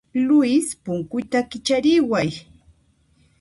Luis, punkuta kichariway.